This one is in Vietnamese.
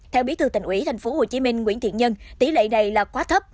theo bí thư tỉnh ủy tp hcm nguyễn thiện nhân tỷ lệ này là quá thấp